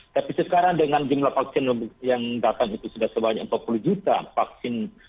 tapi sekarang dengan jumlah vaksin yang datang itu sudah sebanyak empat puluh juta vaksin